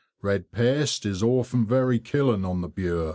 Red paste is often very killing on the Bure.